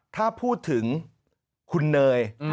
ถ้าพูดถึงคุณเนย